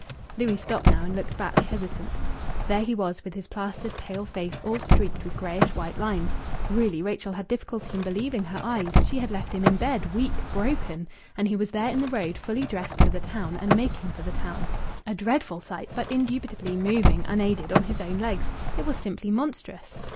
Louis stopped now and looked back, hesitant. There he was, with his plastered, pale face all streaked with greyish white lines! Really Rachel had difficulty in believing her eyes. She had left him in bed, weak, broken; and he was there in the road fully dressed for the town and making for the town a dreadful sight, but indubitably moving unaided on his own legs. It was simply monstrous!